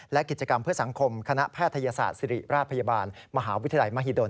และกิจกรรมเพื่อสังคมคณะแพทยศาสตร์ศิริราชพยาบาลมหาวิทยาลัยมหิดล